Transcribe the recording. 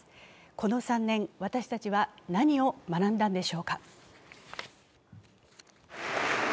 この３年、私たちは何を学んだんでしょうか。